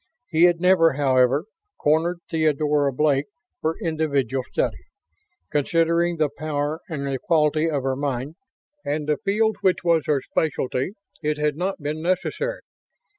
He had never, however, cornered Theodora Blake for individual study. Considering the power and the quality of her mind, and the field which was her specialty, it had not been necessary.